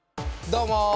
どうも！